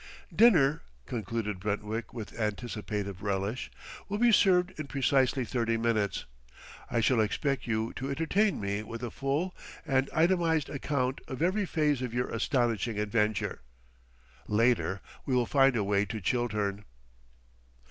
Dinner," concluded Brentwick with anticipative relish, "will be served in precisely thirty minutes. I shall expect you to entertain me with a full and itemized account of every phase of your astonishing adventure. Later, we will find a way to Chiltern."